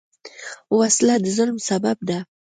وسله د ظلم سبب ده